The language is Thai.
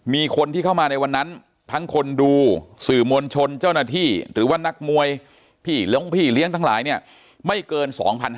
มีคนที่เข้ามาในวันนั้นทั้งคนดูสื่อมวลชนเจ้าหน้าที่หรือว่านักมวยพี่เลี้ยงพี่เลี้ยงทั้งหลายเนี่ยไม่เกิน๒๕๐๐